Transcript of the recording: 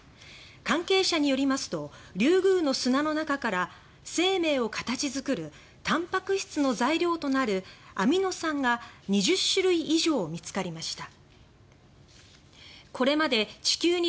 関係者によりますとリュウグウの砂の中から生命を形作るたんぱく質の材料となるアミノ酸が２０種類以上見つかりました。